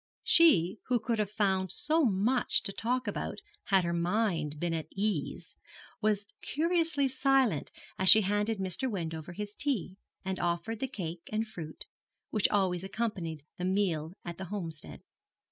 She who could have found so much to talk about had her mind been at ease, was curiously silent as she handed Mr. Wendover his tea, and offered the cake and fruit, which always accompanied the meal at the Homestead.